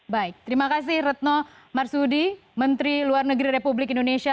baik terima kasih retno marsudi menteri luar negeri republik indonesia